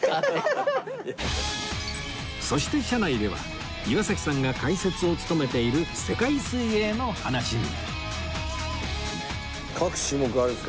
そして車内では岩崎さんが解説を務めている世界水泳の話に